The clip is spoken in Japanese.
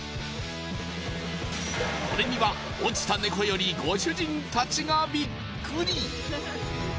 これには落ちたネコよりご主人たちがビックリ